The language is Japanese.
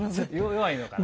弱いのかな。